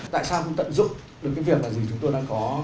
tại sao không tận dụng được cái việc là gì chúng tôi đang có